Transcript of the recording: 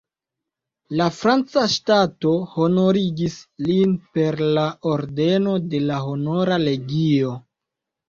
La franca ŝtato honorigis lin per la ordeno de la Honora Legio.